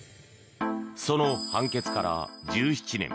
その判決から１７年。